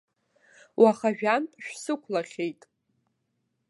Уаха жәантә шәсықәлахьеит.